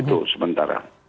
itu sebentar ya